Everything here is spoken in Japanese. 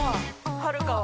はるかは？